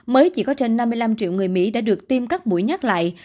mới chỉ có trên năm mươi năm triệu người mỹ đã được tiêm các mũi nhắc lại